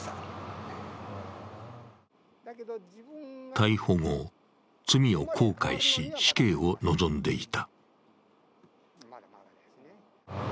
逮捕後、罪を後悔し、死刑を望んでいた。